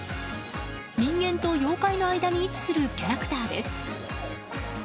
人間と妖怪の間に位置するキャラクターです。